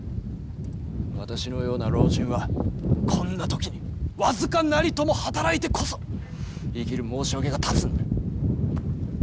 私のような老人はこんな時に僅かなりとも働いてこそ生きる申し訳が立つんだ。